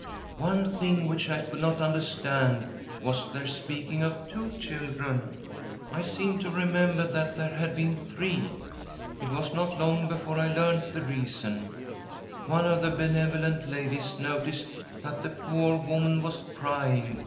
" One thing which I could not understand was their speaking of two children — I seemed to remem ber that there had been three. It was not. long before I learnt the reason. One of the benevolent ladies noticed that the poor woman was crying, and ——..;'